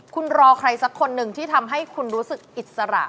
คุณรอใครสักคนหนึ่งที่ทำให้คุณรู้สึกอิสระ